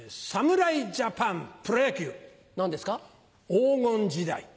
黄金時代。